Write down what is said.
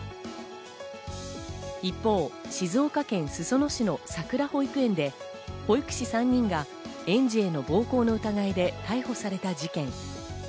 一方、静岡県裾野市のさくら保育園で保育士３人が園児への暴行の疑いで逮捕された事件。